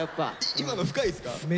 今の深いっすか？